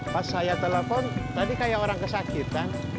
pas saya telepon tadi kayak orang kesakitan